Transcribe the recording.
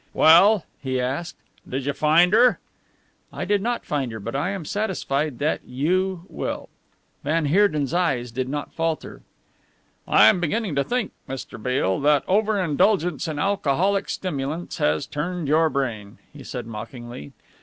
"Well?" he asked, "did you find her?" "I did not find her, but I am satisfied that you will." Van Heerden's eyes did not falter. "I am beginning to think, Mr. Beale, that over indulgence in alcoholic stimulants has turned your brain," he said mockingly.